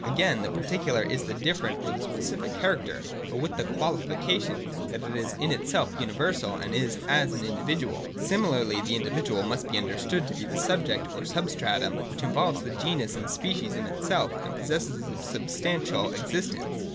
Again, the particular is the different or the specific character, but with the qualification that it is in itself universal and is as an 1 64. J MOMENTS OF THE NOTION. 29s individual. Similarly the individual must be understood to be a subject or substratum, which involves the genus and species in itself and possesses a substantial exist ence.